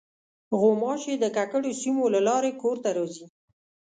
غوماشې د ککړو سیمو له لارې کور ته راځي.